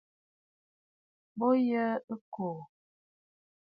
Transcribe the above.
Bo yǝǝ ɨkòò.